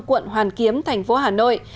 quận hoàn kiếm thành phố hà nội